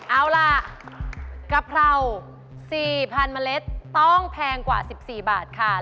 เอาล่ะกะเพรา๔๐๐เมล็ดต้องแพงกว่า๑๔บาทค่ะ